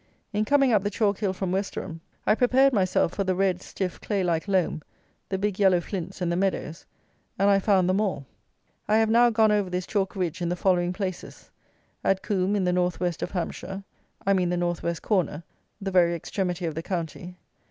In coming up the chalk hill from Westerham, I prepared myself for the red stiff clay like loam, the big yellow flints and the meadows; and I found them all. I have now gone over this chalk ridge in the following places: at Coombe in the north west of Hampshire; I mean the north west corner, the very extremity of the county.